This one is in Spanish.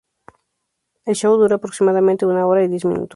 El show dura aproximadamente una hora y diez minutos.